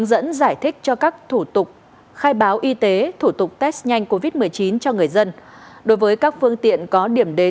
và giấy xác nghiệm covid